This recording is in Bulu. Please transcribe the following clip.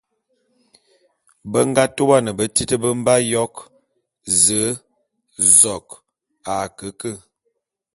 Be nga tôban betít be mbe ayok: Ze, zok...